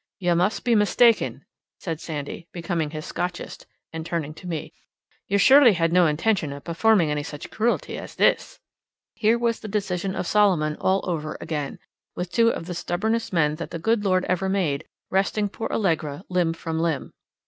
"You must be mistaken," said Sandy, becoming his Scotchest, and turning to me. "You surely had no intention of performing any such cruelty as this?" Here was the decision of Solomon all over again, with two of the stubbornest men that the good Lord ever made wresting poor little Allegra limb from limb.